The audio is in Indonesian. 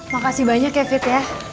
makasih banyak ya fit ya